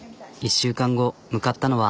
１週間後向かったのは。